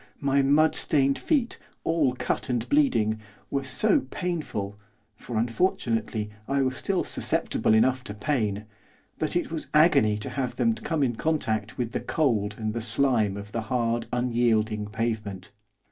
my mud stained feet, all cut and bleeding, were so painful for, unfortunately, I was still susceptible enough to pain that it was agony to have them come into contact with the cold and the slime of the hard, unyielding pavement.